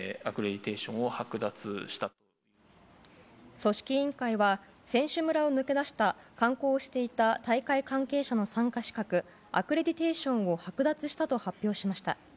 組織委員会は選手村を抜け出した観光をしていた大会関係者の参加資格アクレディテーションを昨日、剥奪したと発表しました。